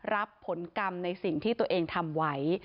รับผลกรรมในสิ่งที่ตัวเองทำไว้